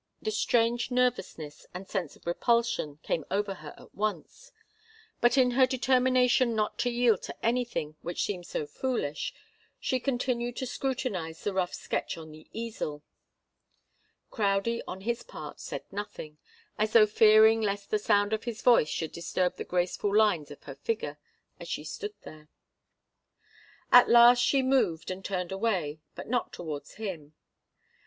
The strange nervousness and sense of repulsion came over her at once, but in her determination not to yield to anything which seemed so foolish, she continued to scrutinize the rough sketch on the easel. Crowdie, on his part, said nothing, as though fearing lest the sound of his voice should disturb the graceful lines of her figure as she stood there. At last she moved and turned away, but not towards him.